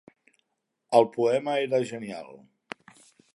El poema era genial.